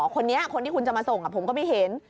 คนนี้คนที่คุณจะมาส่งผมก็ไม่เห็น